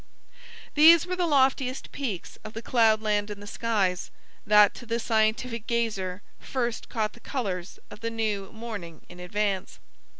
These were the loftiest peaks of the cloudland in the skies, that to the scientific gazer first caught the colors of the new morning in advance.